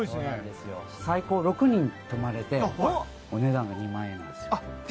最高６人泊まれてお値段が２万円なんですよ。